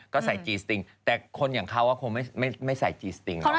ก็ใส่จีสติงแต่คนอย่างเขาก็คงไม่ใส่จีสติงเนอ